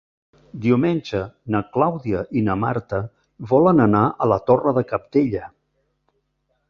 Diumenge na Clàudia i na Marta volen anar a la Torre de Cabdella.